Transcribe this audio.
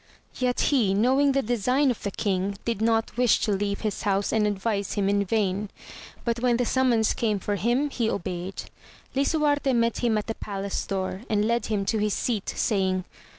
Yet he knowing the design of the king, did not wish to leave his house, and advise him in vain. But when the summons came for him, he obeyed. Lisuarte met him at the palace door, and led him to his seat sajdng.